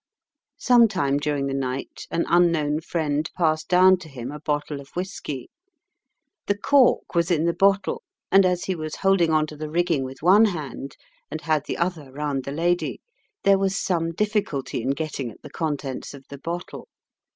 Some time during the night an unknown friend passed down to him a bottle of whisky. The cork was in the bottle, and as he was holding on to the rigging with one hand and had the other round the lady, there was some difficulty in getting at the contents of the bottle.